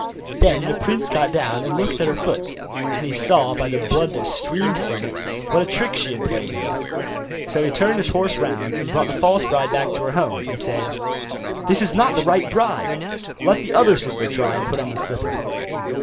Then the prince got down and looked at her foot; and he saw, by the blood that streamed from it, what a trick she had played him. So he turned his horse round, and brought the false bride back to her home, and said, 'This is not the right bride; let the other sister try and put on the slipper.